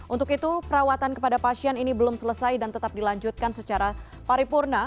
untuk itu perawatan kepada pasien ini belum selesai dan tetap dilanjutkan secara paripurna